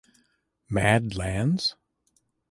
Mad Lands?